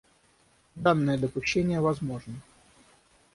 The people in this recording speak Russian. Данное допущение возможно.